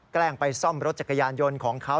แกล้งไปซ่อมรถจักรยานยนต์ของเขา